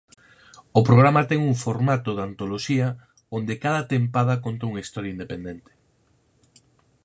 O programa ten un formato de antoloxía onde cada tempada conta unha historia independente.